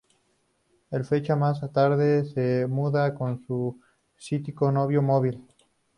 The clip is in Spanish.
Él fechas y más tarde se muda con su "psíquico" novio, Móvil.